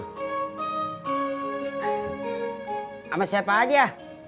sama siapa aja